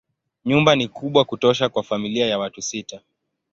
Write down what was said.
Nyumba ni kubwa kutosha kwa familia ya watu sita.